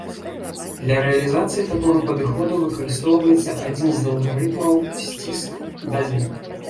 Для рэалізацыі такога падыходу выкарыстоўваецца адзін з алгарытмаў сціск дадзеных.